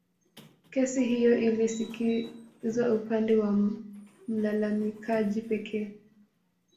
Kesi hiyo ilisikilizwa upande wa mlalamikaji pekee